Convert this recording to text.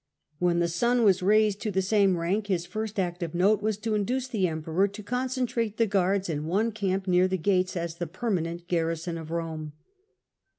When the son was raised to the same rank, his first act of note was to induce the Emperor to concentrate the guards in one camp near the gates, as the ..._?/, His me in permanent garrison of Rome.